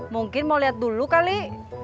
mungkin mau lihat dulu kali